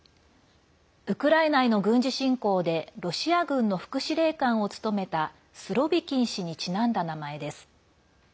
ウクライナへの軍事侵攻でロシア軍の副司令官を務めたスロビキン氏にちなんだ名前です。